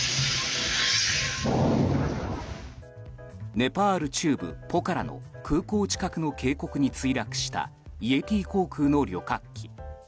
ネパール中部ポカラの空港近くの渓谷に墜落したイエティ航空の旅客機。